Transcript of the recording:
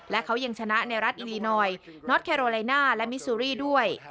และเขายังชนะในรัฐอิลลินอยสนอร์ตแคโลเลน่าและมิสซุรีด้วย